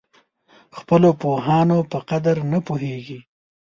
خپلو پوهانو په قدر نه پوهېږي.